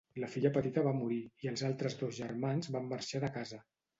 La filla petita va morir i els altres dos germans van marxar de casa.